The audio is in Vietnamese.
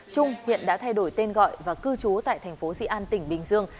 trung hiện đã thay đổi tên gọi và cư trú tại thành phố dị an tỉnh bình dương